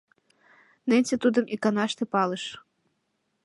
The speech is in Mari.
Ненси тудым иканаште палыш.